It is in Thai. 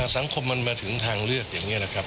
สังคมมันมาถึงทางเลือกอย่างนี้นะครับ